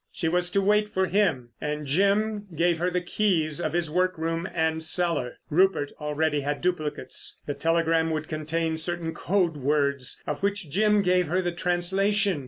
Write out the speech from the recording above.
She was to wait for him, and Jim gave her the keys of his workroom and cellar. Rupert already had duplicates. The telegram would contain certain code words, of which Jim gave her the translation.